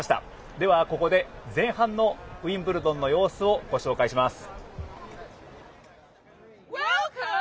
では、ここで前半のウィンブルドンの様子をご紹介します。